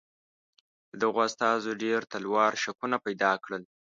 د دغو استازو ډېر تلوار شکونه پیدا کړل.